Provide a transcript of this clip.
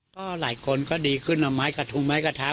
ก็หลายคนก็ดีขึ้นเอาไม้กระทงไม้กระทะ